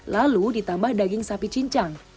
lalu ditambah daging sapi cincang